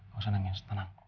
gak usah nangis